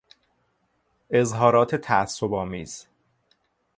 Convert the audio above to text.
اظهارات تعصبآمیز